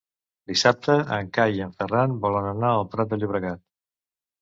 Dissabte en Cai i en Ferran volen anar al Prat de Llobregat.